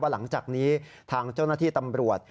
หลังจากนี้ทางเจ้าหน้าที่ตำรวจ